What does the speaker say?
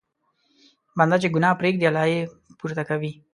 بنده چې ګناه پرېږدي، الله یې پورته کوي.